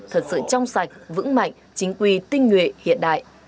thật sự trong sạch vững mạnh chính quy tinh nguyện hiện đại